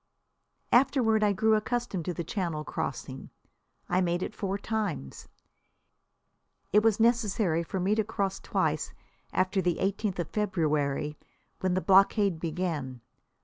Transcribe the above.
Afterward I grew accustomed to the Channel crossing. I made it four times. It was necessary for me to cross twice after the eighteenth of February, when the blockade began.